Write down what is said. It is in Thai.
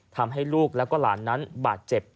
ทำให้ลูกแล้วก็หลานนั้นบาดเจ็บ